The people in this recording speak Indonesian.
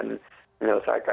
yang terakhir pak sandi dari saya